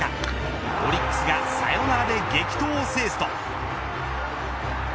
オリックスがサヨナラで激闘を制すと。